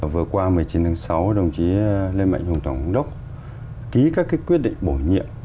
vừa qua một mươi chín tháng sáu đồng chí lê mạnh hùng tổng thống đốc ký các quyết định bổ nhiệm